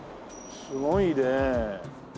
すごいね。